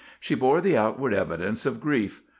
She bore the outward evidence of grief.